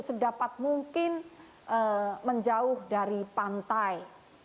untuk dapat mungkin menjauh dari pantai